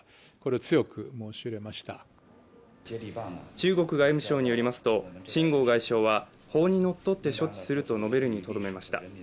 中国外務省によりますと秦剛外相は法に則って処置すると述べるにとどめました。